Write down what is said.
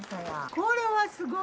これはすごい！